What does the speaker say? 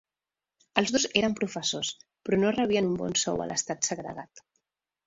Els dos eren professors, però no rebien un bon sou a l'estat segregat.